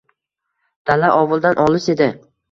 Dala ovuldan olis edi